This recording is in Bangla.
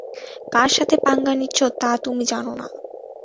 কার সাথে পাঙ্গা নিচ্ছো তা তুমি জানো না।